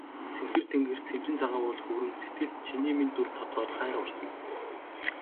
Цэнхэр тэнгэрт сэмжин цагаан үүл хөврөн сэтгэлд чиний минь дүр тодроод хайр урсана.